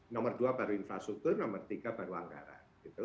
nomor dua baru infrastruktur nomor tiga baru anggaran